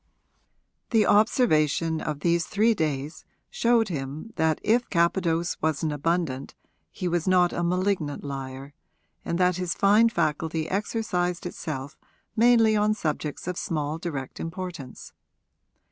The observation of these three days showed him that if Capadose was an abundant he was not a malignant liar and that his fine faculty exercised itself mainly on subjects of small direct importance.